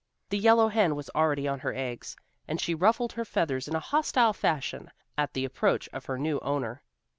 The yellow hen was already on her eggs, and she ruffled her feathers in a hostile fashion at the approach of her new owner.